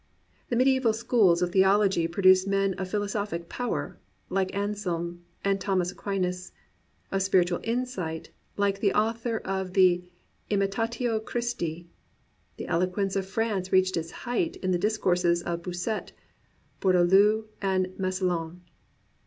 The mediaeval schools of theology pro duced men of philosophic power, like Anselm and Thomas Aquinas; of spiritual insight, like the author of the Imitatio ChristL The eloquence of France reached its height in the discourses of Bossuet, Bour daloue, and Massillon.